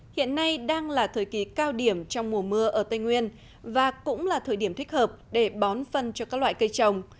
hiện nay đang là thời kỳ cao điểm trong mùa mưa ở tây nguyên và cũng là thời điểm thích hợp để bón phân cho các loại cây trồng